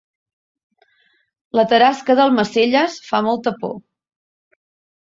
La tarasca d'Almacelles fa molta por